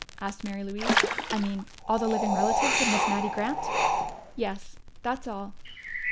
asked Mary Louise. "I mean, all the living relatives of Miss Mattie Grant?" "Yes, that's all."